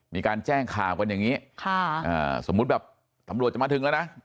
มีการแจ้งข่าวกันอย่างนี้สมมุติแบบตำรวจจะมาถึงแล้วนะ